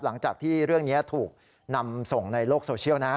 หลังจากที่เรื่องนี้ถูกนำส่งในโลกโซเชียลนะ